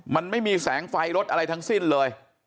มันไม่มีแสงไฟรถอะไรทั้งสิ้นเลย